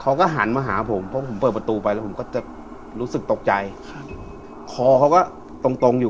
เขาก็หันมาหาผมเพราะผมเปิดประตูไปแล้วผมก็จะรู้สึกตกใจครับคอเขาก็ตรงตรงอยู่